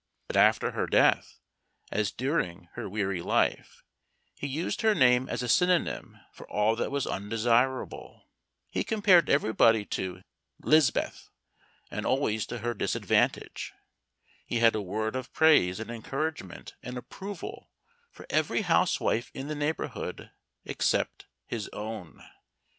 But after her death, as during her weary life, he used her name as a synonym for all that was undesirable. He compared everybody to "'Liz'beth," and always to her disadvantage. He had a word of praise and encouragement and approval for every housewife in the neighborhood except his own.